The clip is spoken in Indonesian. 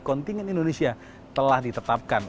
kontingen indonesia telah ditetapkan